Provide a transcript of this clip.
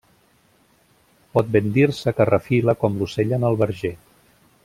Pot ben dir-se que refila com l'ocell en el verger…